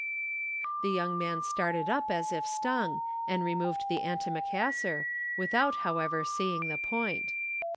_"] The young man started up as if stung, and removed the antimacassar, without, however, seeing the point.